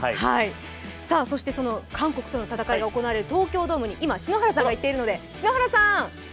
そして、その韓国との戦いが行われる東京ドームに篠原さんが行っています。